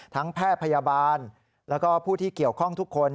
แพทย์พยาบาลแล้วก็ผู้ที่เกี่ยวข้องทุกคน